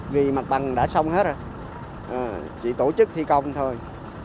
vì mặt bằng đã xong hết rồi chỉ tổ chức thi công thôi